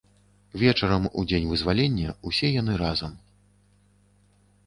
Вечарам, у дзень вызвалення, усе яны разам.